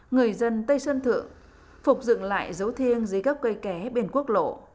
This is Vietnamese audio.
người dân tây sơn thượng phục dựng lại dấu thiêng dưới các cây ké bên quốc lộ